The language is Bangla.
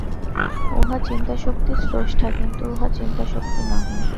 উহা চিন্তাশক্তির স্রষ্টা, কিন্তু উহা চিন্তাশক্তি নহে।